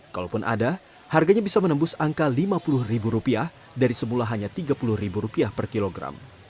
kalaupun ada harganya bisa menembus angka lima puluh ribu rupiah dari semula hanya tiga puluh ribu rupiah per kilogram